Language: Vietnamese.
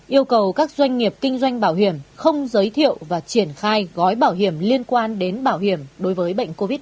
yêu cầu các doanh nghiệp kinh doanh bảo hiểm không giới thiệu và triển khai gói bảo hiểm liên quan đến bảo hiểm đối với bệnh covid một mươi chín